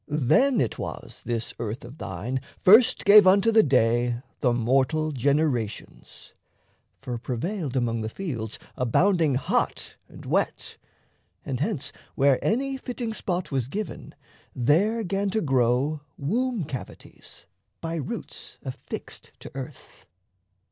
Then it was This earth of thine first gave unto the day The mortal generations; for prevailed Among the fields abounding hot and wet. And hence, where any fitting spot was given, There 'gan to grow womb cavities, by roots Affixed to earth.